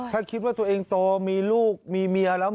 ถ้าคิดว่าตัวเองโตมีลูกมีเมียแล้ว